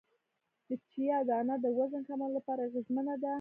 د چیا دانه د وزن کمولو لپاره اغیزمنه ده